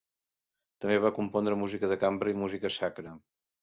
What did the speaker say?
També va compondre música de cambra i música sacra.